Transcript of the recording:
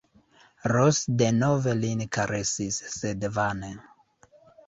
Ros denove lin karesis, sed vane.